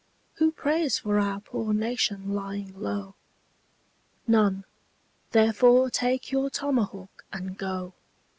Who prays for our poor nation lying low? None therefore take your tomahawk and go.